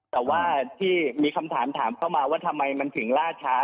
แต่ว่าที่มีคำถามถามเข้ามาว่าทำไมมันถึงล่าช้า